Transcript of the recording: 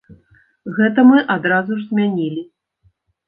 Гэта мы адразу ж змянілі.